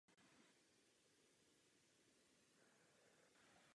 Za její vlády Česká republika stále držela Vídeň a její okolí.